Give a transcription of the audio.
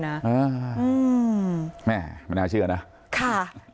นะแม่มันน่าเชื่อนะค่ะ